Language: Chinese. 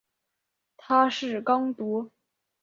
他是刚铎。